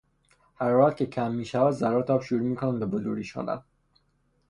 حرارت که کم میشود ذرات آب شروع میکنند به بلورین شدن.